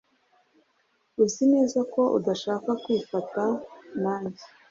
Uzi neza ko udashaka kwifataa nanjye?